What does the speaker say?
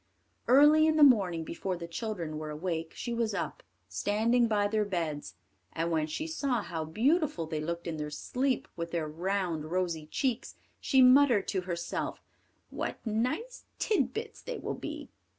Early in the morning, before the children were awake, she was up, standing by their beds; and when she saw how beautiful they looked in their sleep, with their round rosy cheeks, she muttered to herself, "What nice tit bits they will be!"